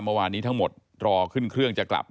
เมื่อวานนี้ทั้งหมดรอขึ้นเครื่องจะกลับ